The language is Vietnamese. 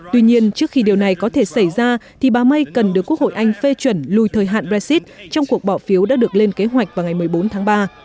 tuy nhiên trước khi điều này có thể xảy ra thì bà may cần được quốc hội anh phê chuẩn lùi thời hạn brexit trong cuộc bỏ phiếu đã được lên kế hoạch vào ngày một mươi bốn tháng ba